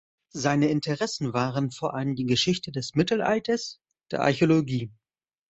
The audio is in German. Seine Interessen waren vor allem die Geschichte des Mittelalters, der Archäologie.